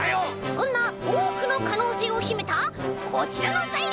そんなおおくのかのうせいをひめたこちらのざいりょうにせまります！